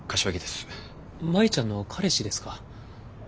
舞ちゃんの彼氏ですか。